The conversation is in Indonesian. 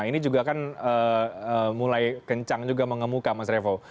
ini juga kan mulai kencang juga mengemuka mas revo